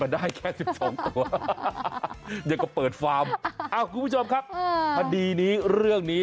เดี๋ยวก็เปิดฟาร์มคุณผู้ชมครับพอดีนี้เรื่องนี้